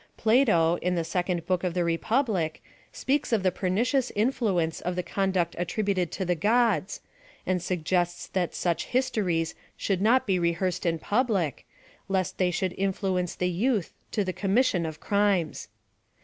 Plato, in the second book of the Republic, speaks of the pernicious influence of the conduct attributed to the gods, and suggests that such his tories should not be rehearsed in public, lest they should influence the youth to the commission ot crimes.